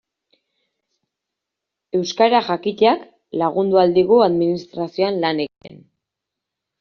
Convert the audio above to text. Euskara jakiteak lagundu ahal digu administrazioan lan egiten.